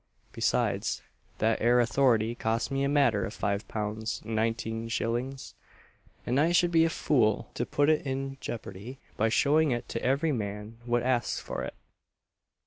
Besides, that ere authority cost me a matter of five pounds nineteen shillings; and I should be a fool to put it in jipperdy by showing it to every man what asks for it!"